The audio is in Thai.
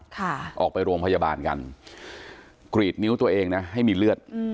ค่ะออกไปโรงพยาบาลกันกรีดนิ้วตัวเองนะให้มีเลือดอืม